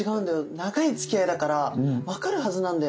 長いつきあいだから分かるはずなんだよね。